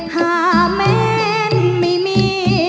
หาแม้นไม่มี